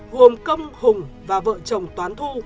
gồm công hùng và vợ chồng toán thu